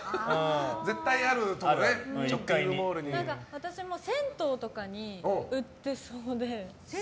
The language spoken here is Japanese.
私も銭湯とかに売ってそうで。